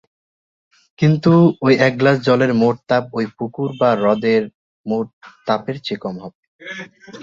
কিন্তু ওই এক গ্লাস জলের মোট তাপ ওই পুকুর বা হ্রদের মোট তাপের চেয়ে কম হবে।